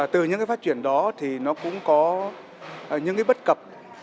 từ những phát triển đó thì nó cũng có những bất cập